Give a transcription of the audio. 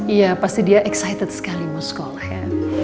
iya pasti dia excited sekali mau sekolah ya